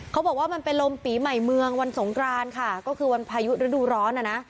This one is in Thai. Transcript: เขาบอกว่ามันเป็นลมปีใหม่เมืองวันสงกรานค่ะก็คือวันพายุฤดูร้อนอ่ะนะ